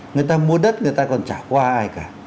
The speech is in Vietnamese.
người ta mua đất người ta còn trả qua ai cả